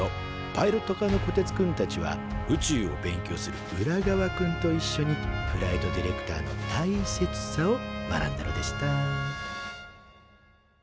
パイロット科のこてつくんたちは宇宙を勉強するウラガワくんといっしょにフライトディレクターの大切さを学んだのでしたＣＱＣＱ